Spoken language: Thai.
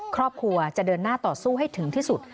ครอบครัวจะเดินหน้าต่อสู้ให้ถึงที่สุด